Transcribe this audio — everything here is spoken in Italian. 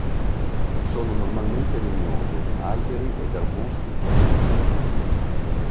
Sono normalmente legnose, alberi e arbusti o cespugli.